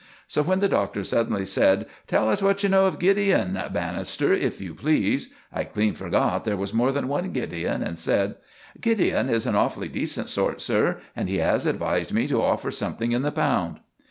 So when the Doctor suddenly said, "Tell us what you know of Gideon, Bannister, if you please," I clean forgot there was more than one Gideon, and said— "Gideon is an awfully decent sort, sir, and he has advised me to offer something in the pound."